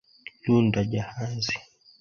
Lyunda jahazi